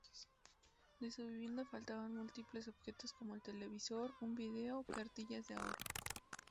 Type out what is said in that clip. De su vivienda faltaban múltiples objetos como el televisor, un video, cartillas de ahorro...